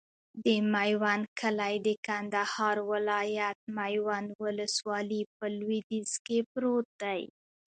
د میوند کلی د کندهار ولایت، میوند ولسوالي په لویدیځ کې پروت دی.